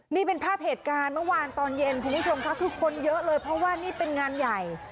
นี่เป็นภาพเหตุการณ์เมื่อวานตอนเย็นคุณผู้ชมค่ะคือคนเยอะเลยเพราะว่านี่เป็นงานใหญ่